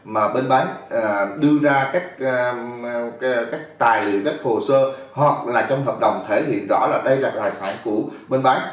mà bên bán đưa ra các tài liệu các hồ sơ hoặc là trong hợp đồng thể hiện rõ là đây là tài sản của bên bán